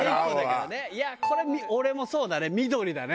これ俺もそうだね緑だね。